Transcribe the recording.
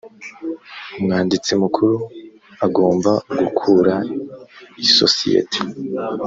umwanditsi mukuru agomba gukura isosiyete